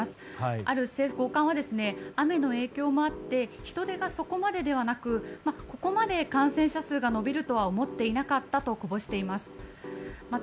ある政府高官は雨の影響もあって人手がそこまでではなくここまで感染者数が伸びるとは思っていなかったと話しています。